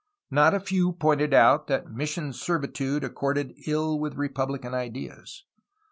Not a few pointed out that mission servitude accorded ill with republican ideas.